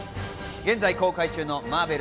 現在公開中のマーベル